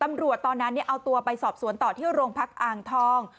ตอนนั้นเอาตัวไปสอบสวนต่อที่โรงพักอ่างทอง